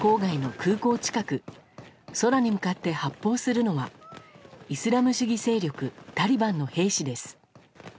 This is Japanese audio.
空に向かって発砲するのはイスラム主義勢力タリバンの兵士です。